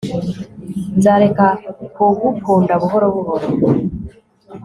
Nzareka kugukunda buhoro buhoro